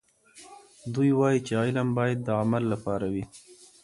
دوی وایي چې علم باید د عمل لپاره وي.